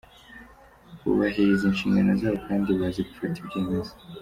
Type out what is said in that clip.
Bubahiriza inshingano zabo kandi bazi gufata ibyemezo.